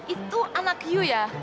itu anak ibu ya